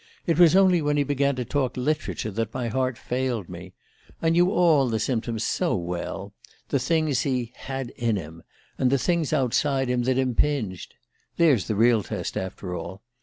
It was only when he began to talk literature that my heart failed me. I knew all the symptoms so well the things he had 'in him,' and the things outside him that impinged! There's the real test, after all.